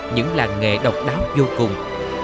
những làng nghề độc đáo vô cùng